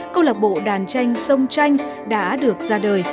câu lạc bộ đàn tranh sông tranh đã được ra đời